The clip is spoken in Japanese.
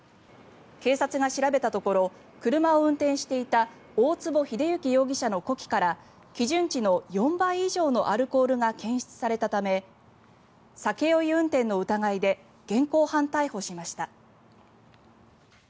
警察が調べたところ車を運転していた大坪英幸容疑者の呼気から基準値の４倍以上のアルコールが検出されたため酒酔い運転の疑いで現行犯逮捕しました。